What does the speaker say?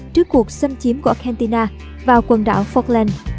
trước cuộc xâm chiếm của argentina vào quần đảo foxland